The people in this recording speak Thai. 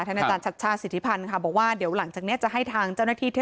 คนนะจานฐาชาสิทธิพันธุ์บอกว่าเราก็จะให้ทาง